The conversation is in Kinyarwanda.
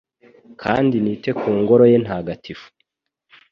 kandi nite ku Ngoro ye ntagatifu